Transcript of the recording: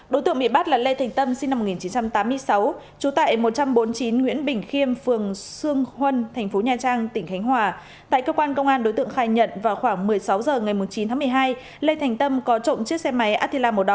tại thành phố nha trang tỉnh khánh hòa một đối tượng có những hành vi vừa nêu trên vừa bị quân chúng nhân và lực lượng công an kịp thời khống chế và bắt giữ